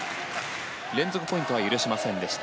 連続ポイントは許しませんでした。